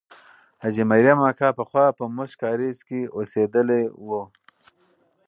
حاجي مریم اکا پخوا په موشک کارېز کې اوسېدلې وه.